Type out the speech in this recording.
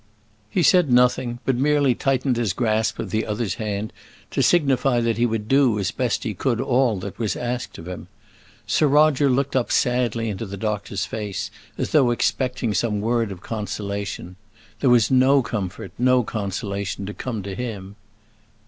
He said nothing; but merely tightened his grasp of the other's hand, to signify that he would do, as best he could, all that was asked of him. Sir Roger looked up sadly into the doctor's face, as though expecting some word of consolation. There was no comfort, no consolation to come to him!